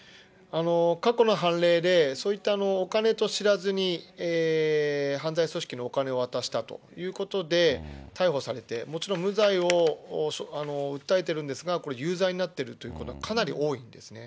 過去の判例で、そういったお金と知らずに、犯罪組織にお金を渡したということで、逮捕されて、もちろん無罪を訴えてるんですが、これ、有罪になっているということ、かなり多いんですね。